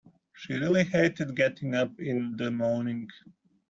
She really hated getting up in the morning